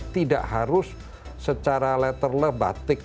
tidak harus secara letterle batik